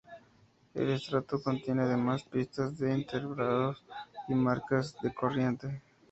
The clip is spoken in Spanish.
El estrato contiene además pistas de invertebrados y marcas de corriente.